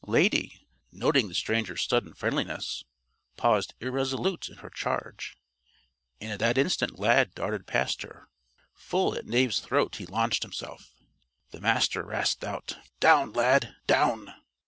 Lady, noting the stranger's sudden friendliness, paused irresolute in her charge. And at that instant Lad darted past her. Full at Knave's throat he launched himself. The Master rasped out: "Down, Lad! _Down!